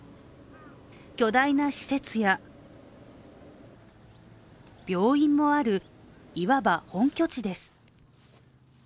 巨大な施設や病院もあるいわば本拠地です。